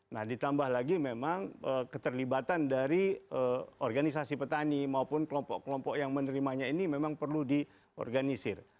nah ditambah lagi memang keterlibatan dari organisasi petani maupun kelompok kelompok yang menerimanya ini memang perlu diorganisir